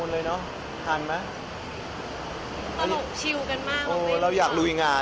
เราจะอยากต้อง